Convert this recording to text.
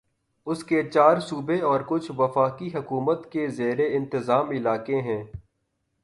اس کے چار صوبے اور کچھ وفاقی حکومت کے زیر انتظام علاقے ہیں